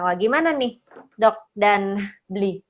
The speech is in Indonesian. wah gimana nih dok dan beli